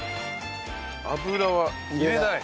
油は入れない？